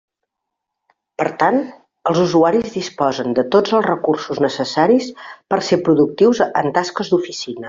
Per tant, els usuaris disposen de tots els recursos necessaris per ser productius en tasques d'oficina.